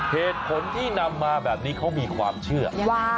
เหตุผลที่นำมาแบบนี้เขามีความเชื่อว่า